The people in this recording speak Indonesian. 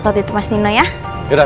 gak tau di tempat nino ya